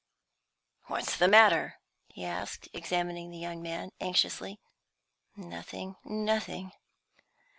"What's the matter?" he asked, examining the young man anxiously. "Nothing nothing!"